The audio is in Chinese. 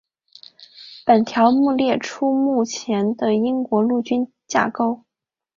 本条目列出目前的英国陆军架构。